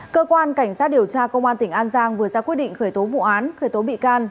cơ quan cảnh sát điều tra công an tỉnh an giang vừa ra quyết định khởi tố vụ án khởi tố bị can